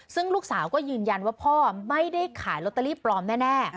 ซึ่งลูกสาวก็ยืนยันว่าพ่อไม่ได้ขายลอตเตอรี่ปลอมแน่